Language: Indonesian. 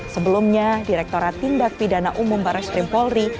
sebelumnya direkturat tindak pidana umum barat skrimpolri